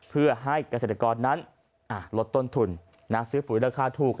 เพื่อให้เกษตรกรนั้นลดต้นทุนซื้อปุ๋ยราคาถูก